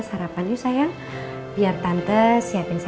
sampai jumpa di video selanjutnya